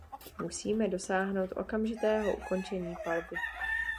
Musíme dosáhnout okamžitého ukončení palby.